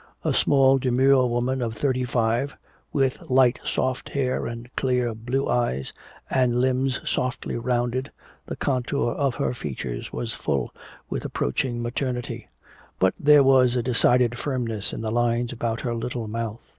A small demure woman of thirty five, with light soft hair and clear blue eyes and limbs softly rounded, the contour of her features was full with approaching maternity, but there was a decided firmness in the lines about her little mouth.